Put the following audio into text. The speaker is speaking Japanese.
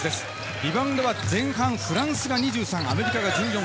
リバウンドは前半フランスが２３、アメリカが１４。